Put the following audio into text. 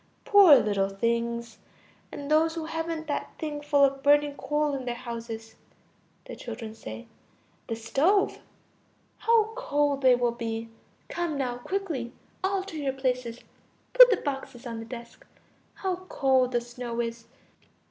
Poor little things! And those who haven't that thing full of burning coal in their houses! Children. The stove. How cold they will be! Come now, quickly; all to your places. Put the boxes on the desk. How cold the snow is!